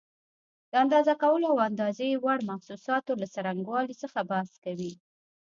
د اندازه کولو او د اندازې وړ محسوساتو له څرنګوالي څخه بحث کوي.